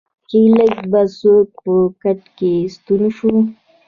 چې لږ به څوک په کټ کې ستون شو.